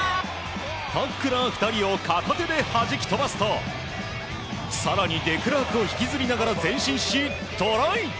タックラー２人を片手ではじき飛ばすと更にデクラークを引きずりながら前進し、トライ！